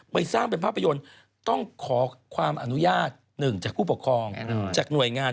ไปสร้างเป็นภาพยนตร์ต้องขอความอนุญาต๑จากผู้ปกครองจากหน่วยงาน